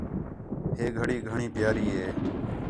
ہے گھڑی گھݨی پیاری ہے